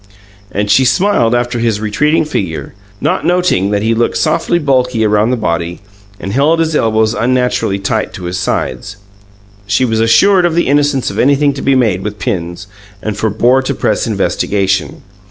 And she smiled after his retreating figure, not noting that he looked softly bulky around the body, and held his elbows unnaturally tight to his sides. She was assured of the innocence of anything to be made with pins, and forbore to press investigation.